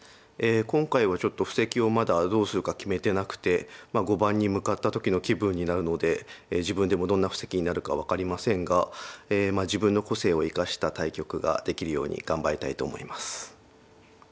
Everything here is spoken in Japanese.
今回はちょっと布石をまだどうするか決めてなくて碁盤に向かった時の気分になるので自分でもどんな布石になるか分かりませんが自分の個性を生かした対局ができるように頑張りたいと思います。